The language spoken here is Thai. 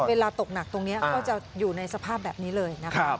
เวลาตกหนักตรงนี้ก็จะอยู่ในสภาพแบบนี้เลยนะคะ